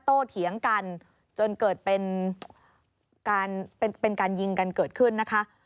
โตเถียงกันจนเกิดเป็นการยิงกันเกิดขึ้นนะคะ